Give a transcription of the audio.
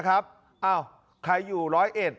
อ้าวใครอยู่ร้อยเหตุ